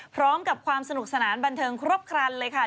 พร้อมกับความสนุกสนานบันเทิงครบครันเลยค่ะ